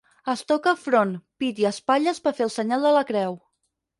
Es toca front, pit i espatlles per fer el senyal de la creu.